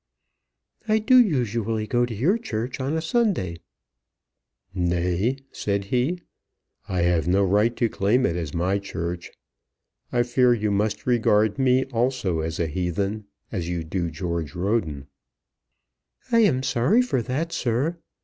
"I do usually go to your church on a Sunday." "Nay," said he, "I have no right to claim it as my church. I fear you must regard me also as a heathen, as you do George Roden." "I am sorry for that, sir.